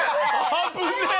危ねえ！